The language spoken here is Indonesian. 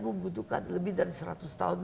membutuhkan lebih dari seratus tahun